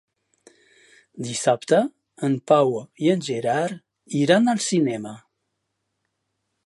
Dissabte en Pau i en Gerard iran al cinema.